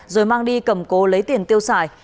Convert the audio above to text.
rồi mang đi cầm cố lấy tiền tiêu xài